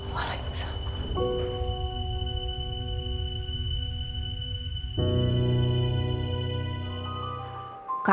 malah yang besar